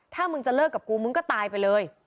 ถ้ามึงจะเลิกกับกูมึงก็ตายไปเลย